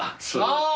ああ！